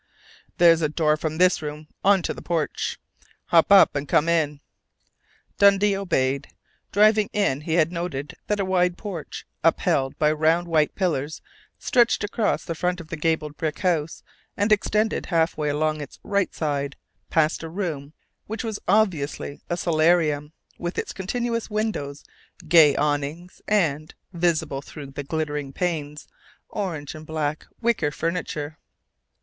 There's a door from this room onto the porch. Hop up and come on in." Dundee obeyed. Driving in he had noted that a wide porch, upheld by round white pillars, stretched across the front of the gabled brick house and extended halfway along its right side, past a room which was obviously a solarium, with its continuous windows, gay awnings, and visible through the glittering panes orange and black wicker furniture.